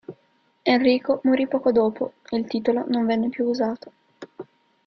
Enrico morì poco dopo e il titolo non venne più usato.